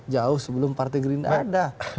jauh sebelum partai gerindra ada